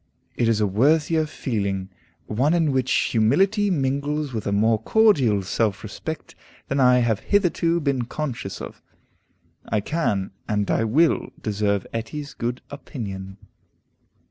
It is a worthier feeling, one in which humility mingles with a more cordial self respect than I have hitherto been conscious of. I can, and I will, deserve Etty's good opinion.